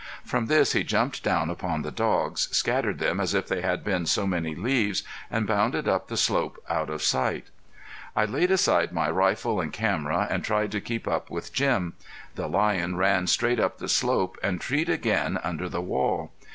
From this he jumped down among the dogs, scattered them as if they had been so many leaves, and bounded up the slope out of sight. I laid aside my rifle and camera and tried to keep up with Jim. The lion ran straight up the slope and treed again under the wall.